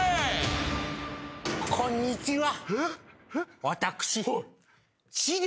こんにちは。